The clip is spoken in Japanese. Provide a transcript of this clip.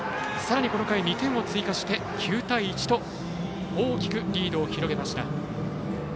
さらに２点を追加して９対１と大きくリードを広げました。